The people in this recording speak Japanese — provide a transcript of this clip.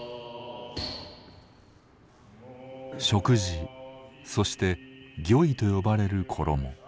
食事そして御衣と呼ばれる衣。